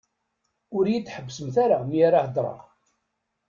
Ur yi-d-ḥebbsemt ara mi ara d-heddṛeɣ.